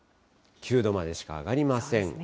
９度までしか上がりません。